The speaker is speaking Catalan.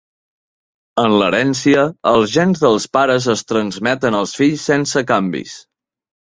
En l'herència, els gens dels pares es transmeten als fills sense canvis.